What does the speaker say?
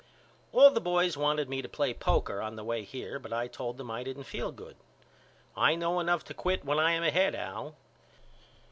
All the boys wanted me to play poker on the way here but I told them I didn't feel good. I know enough to quit when I am ahead Al.